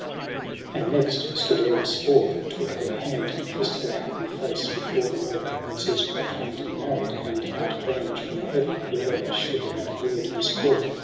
And next stood Eros forth, and took her hand. And kisst her happy face before them all : And Zeus proclaim'd them married, and outban'd From heaven whoever should that word miscall.